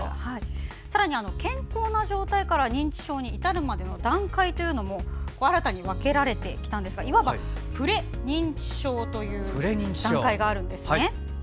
さらに健康な状態から認知症に至るまでの段階というのも新たに分けられてきたんですがいわば、プレ認知症といえる段階があるんです。